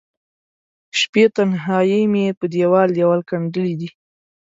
شپې د تنهائې مې په دیوال، دیوال ګنډلې دي